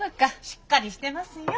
しっかりしてますよ！